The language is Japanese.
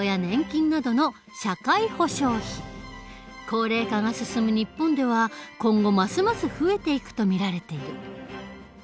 高齢化が進む日本では今後ますます増えていくと見られている。